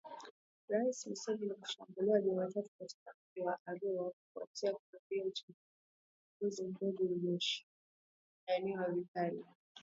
rais Museveni kushambuliwa Jumatatu katika mji wa Arua kufuatia kuwadia uchaguzi mdogo ulioshindaniwa vikali